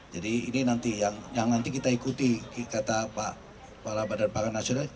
jadi ini nanti yang nanti kita ikuti kata pak badan pangan nasional